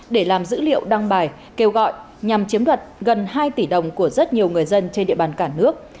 để làm dữ liệu đăng bài kêu gọi nhằm chiếm đoạt gần hai tỷ đồng của rất nhiều người dân trên địa bàn cả nước